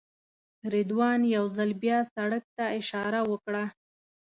رضوان یو ځل بیا سړک ته اشاره وکړه.